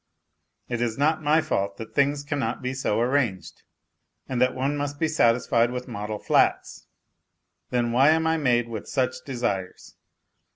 It is not my fault that things cannot be so arranged, and that one must be satisfied with model flats. Then why am I made with such desires